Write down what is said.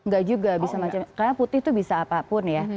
gak juga bisa macam karena putih itu bisa apapun ya